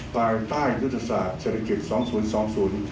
ภายใต้ยุทธศาสตร์เศรษฐกิจ๒๐๒๐